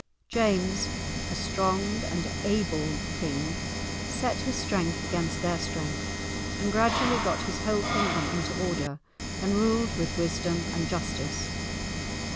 James, a strong and able king, set his strength against their strength, and gradually got his whole kingdom into order and ruled with wisdom and justice.